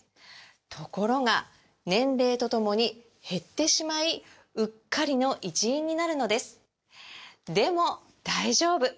ところが年齢とともに減ってしまいうっかりの一因になるのですでも大丈夫！